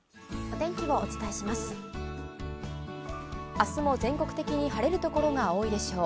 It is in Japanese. あすも全国的に晴れる所が多いでしょう。